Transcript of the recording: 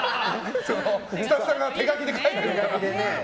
スタッフさんが手書きで書いてるから。